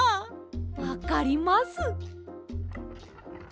わかります！